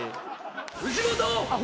藤本！